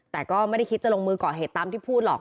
แต่ก็ไม่ได้คิดจะลงมือก่อเหตุตามที่พูดหรอก